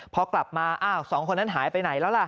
พอกลับมาอ้าวสองคนนั้นหายไปไหนแล้วล่ะ